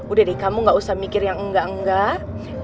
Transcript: udah deh kamu gak usah mikir yang enggak enggak